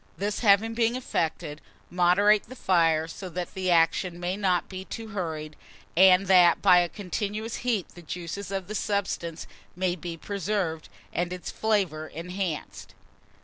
This having been effected, moderate the fire, so that the action may not be too hurried, and that by a continuous heat the juices of the substance may be preserved, and its flavour enhanced.